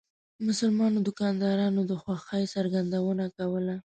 مسلمانو دکاندارانو د خوښۍ څرګندونه کوله.